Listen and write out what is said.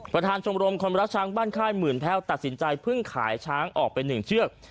ประธานชมรมคนรักช้างบ้านค่ายหมื่นแพ่วตัดสินใจเพิ่งขายช้างออกไป๑เชือก